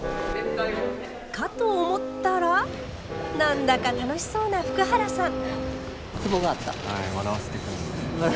かと思ったら何だか楽しそうな福原さん。